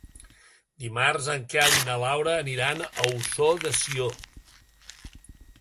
Dimarts en Quel i na Laura aniran a Ossó de Sió.